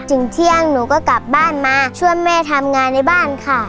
เที่ยงหนูก็กลับบ้านมาช่วยแม่ทำงานในบ้านค่ะ